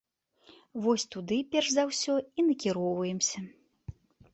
Вось туды перш за ўсё і накіроўваемся.